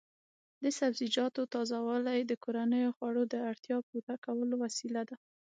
د سبزیجاتو تازه والي د کورنیو خوړو د اړتیا پوره کولو وسیله ده.